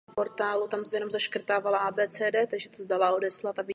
Kolik finančních prostředků turecká armáda celkově dostala?